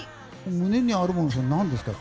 胸にあるもの、何ですか？